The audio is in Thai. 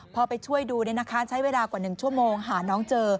พอไปช่วยดูใช้เวลากว่า๑ชั่วโมงหาน้องเจอ